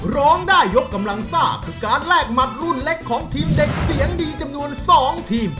ร้องได้ยกกำลังซ่าคือการแลกหมัดรุ่นเล็กของทีมเด็กเสียงดีจำนวน๒ทีม